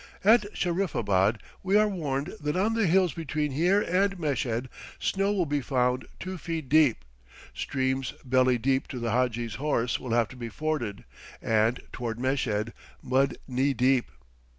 At Shahriffabad we are warned that on the hills between here and Meshed snow will be found two feet deep, streams belly deep to the hadji's horse will have to be forded, and, toward Meshed, mud knee deep.